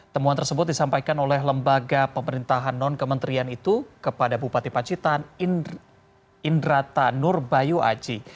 temuan tersebut disampaikan oleh lembaga pemerintahan non kementerian itu kepada bupati pacitan indrata nurbayu aji